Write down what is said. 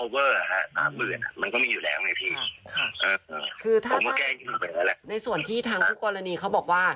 ผมก็แก้ไงไปแหละในส่วนที่ทางผู้กรณีเขาบอกว่า